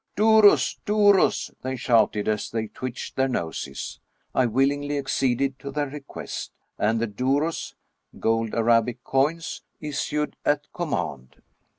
" Dour as! douros!*'^ they shouted, as they twitched their noses. I willingly acceded to their request, and the douros issued at command.